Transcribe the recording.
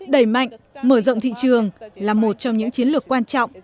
đẩy mạnh mở rộng thị trường là một trong những chiến lược quan trọng